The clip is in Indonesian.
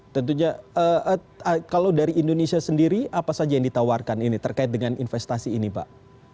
tentunya kalau dari indonesia sendiri apa saja yang ditawarkan ini terkait dengan investasi ini pak